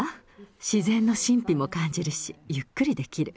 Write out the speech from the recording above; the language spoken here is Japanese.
自然の神秘も感じるし、ゆっくりできる。